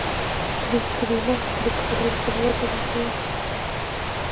کیرالا د خدای خپل هیواد بلل کیږي.